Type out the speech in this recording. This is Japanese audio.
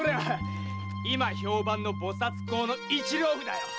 今評判の菩薩講の一両札よ！